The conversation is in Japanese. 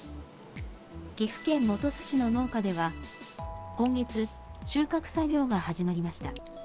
岐阜県本巣市の農家では、今月、収穫作業が始まりました。